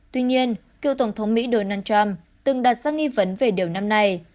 tuy nhiên cựu tổng thống mỹ donald trump từng đặt ra nghi vấn về điều năm nay